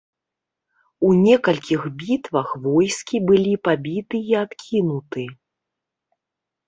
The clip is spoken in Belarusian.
У некалькіх бітвах войскі былі пабіты і адкінуты.